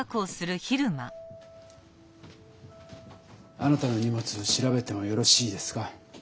あなたの荷物調べてもよろしいですか？